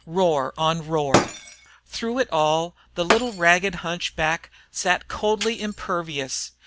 Roar on roar! Through it all the little ragged hunchback sat coldly impervious.